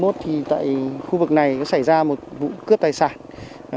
thì tại khu vực này có xảy ra một vụ cướp tài sản